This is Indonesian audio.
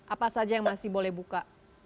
apa saja yang masih boleh buka